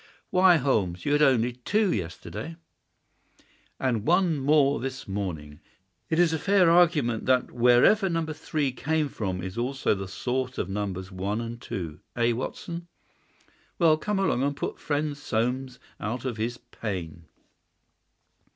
"Why, Holmes, you had only two yesterday!" "And one more this morning. It is a fair argument that wherever No. 3 came from is also the source of Nos. 1 and 2. Eh, Watson? Well, come along and put friend Soames out of his pain."